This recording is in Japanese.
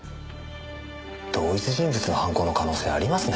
同一人物の犯行の可能性ありますね。